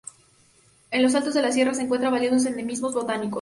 En los altos de la Sierra se encuentran valiosos endemismos botánicos.